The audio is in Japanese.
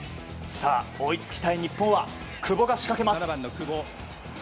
追いつきたい日本は久保が仕掛けます。